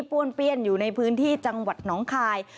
้วนเปี้ยนอยู่ในพื้นที่จังหวัดหนองคาย